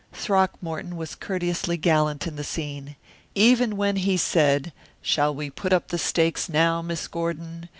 Throckmorton was courteously gallant in the scene. Even when he said, "Shall we put up the stakes now, Miss Gordon?"